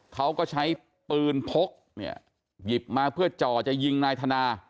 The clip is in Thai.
เขาก็ใช้ปืนพกเนี่ยหยิบมาเพื่อจ่อจะยิงนายธนา